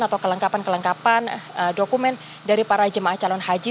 atau kelengkapan kelengkapan dokumen dari para jemaah calon haji